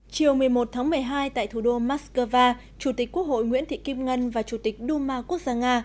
chiều một mươi một tháng một mươi hai tại thủ đô moscow chủ tịch quốc hội nguyễn thị kim ngân và chủ tịch duma quốc gia nga